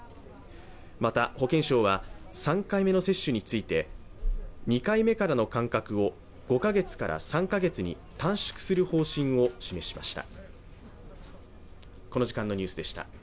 また、保健省は３回目の接種について２回目からの間隔を５カ月から３カ月に短縮する方針を示しました。